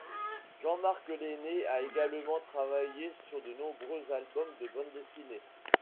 Jean-Marc Lainé a également travaillé sur de nombreux albums de bande dessinée.